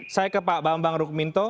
saya ke pak bambang rukminto